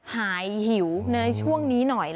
หิวในช่วงนี้หน่อย